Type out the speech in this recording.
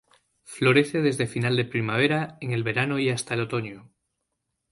Florece desde final de primavera, en el verano y hasta el otoño.